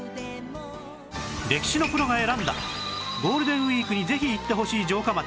歴史のプロが選んだゴールデンウィークにぜひ行ってほしい城下町